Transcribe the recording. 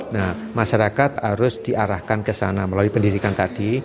nah masyarakat harus diarahkan ke sana melalui pendidikan tadi